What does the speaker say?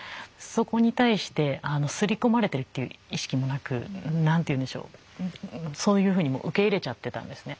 そこに対して刷り込まれてるっていう意識もなく何て言うんでしょうそういうふうに受け入れちゃってたんですね。